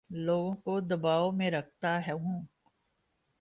لوگوں کو دباو میں رکھتا ہوں